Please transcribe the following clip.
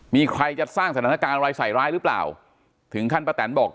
มีใครจะสร้างสถานการณ์อะไรใส่ร้ายหรือเปล่าถึงขั้นป้าแตนบอก